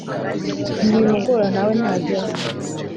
Wimugora nawe ntabyo azi